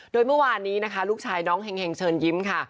โดยเมื่อวานนี้นะคะลูกชายน้องเห็งเชิญยิ้มค่ะ